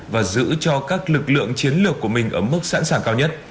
và giữ cho các lực lượng chiến lược của mình ở mức sẵn sàng cao nhất